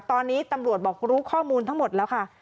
ตอนนี้ตำรวจบอกรู้ข้อมูลทั้งหมดแล้วค่ะ